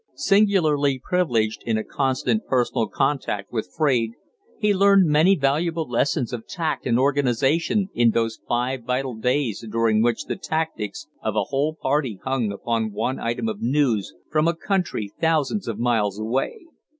Singularly privileged in a constant, personal contact with Fraide, he learned many valuable lessons of tact and organization in those five vital days during which the tactics of a whole party hung upon one item of news from a country thousands of miles away.